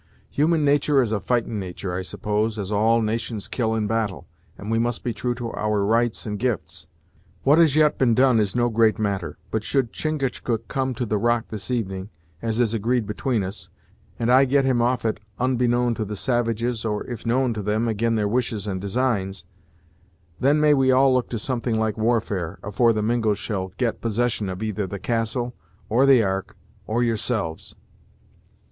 Human natur' is a fightin' natur', I suppose, as all nations kill in battle, and we must be true to our rights and gifts. What has yet been done is no great matter, but should Chingachgook come to the rock this evening, as is agreed atween us, and I get him off it onbeknown to the savages or, if known to them, ag'in their wishes and designs, then may we all look to something like warfare, afore the Mingos shall get possession of either the castle, or the ark, or yourselves."